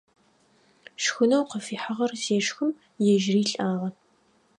Шхынэу къыфихьыгъэр зешхым, ежьыри лӀагъэ.